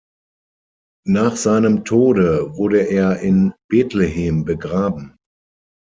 Nach seinem Tode wurde er in Bethlehem begraben.